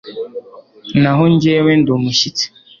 naho njyewe ndi umushyitsi